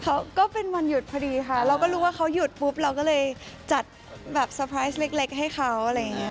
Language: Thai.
ก็เป็นวันหยุดพอดีค่ะเราก็รู้ว่าเขาหยุดปุ๊บเราก็เลยจัดแบบเตอร์ไพรส์เล็กให้เขาอะไรอย่างเงี้